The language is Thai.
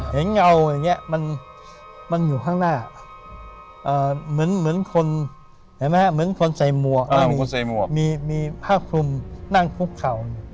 เห็นเงาอย่างนี้มันอยู่ข้างหน้าเหมือนคนใส่มวกมีผ้าคลุมนั่งพุกเข่า